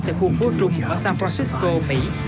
tại khu phố trung ở san francisco mỹ